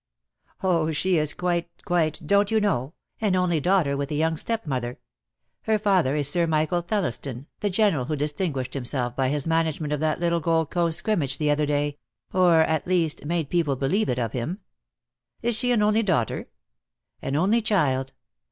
"Oh, she is quite quite, don't you know; an DEAD LOVE HAS CHAINS. ^37 only daughter with a young stepmother. Her father is Sir Michael Thelliston, the General who dis tinguished himself by his management of that little Gold Coast scrimmage the other day — or, at least, made people believe it of him." "Is she an only daughter?" "An only child.